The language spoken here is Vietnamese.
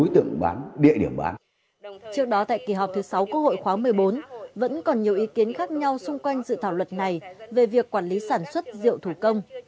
trước đó tại kỳ họp thứ sáu quốc hội khóa một mươi bốn vẫn còn nhiều ý kiến khác nhau xung quanh dự thảo luật này về việc quản lý sản xuất rượu thủ công